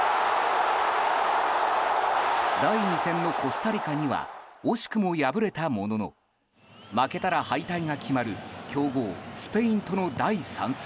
第２戦のコスタリカには惜しくも敗れたものの負けたら敗退が決まる強豪スペインとの第３戦。